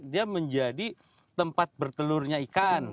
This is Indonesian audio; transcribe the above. dia menjadi tempat bertelurnya ikan